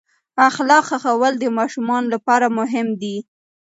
اخلاق ښوول د ماشومانو لپاره مهم دي.